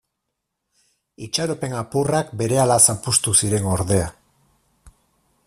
Itxaropen apurrak berehala zapuztu ziren ordea.